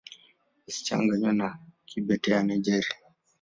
Isichanganywe na Kibete ya Nigeria.